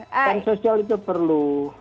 kan sosial itu perlu